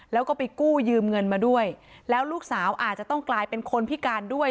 แล้วก็ไปกู้ยืมเงินมาด้วยแล้วลูกสาวอาจจะต้องกลายเป็นคนพิการด้วย